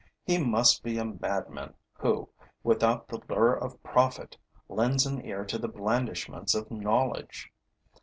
He must be a madman who, without the lure of profit, lends an ear to the blandishments of knowledge.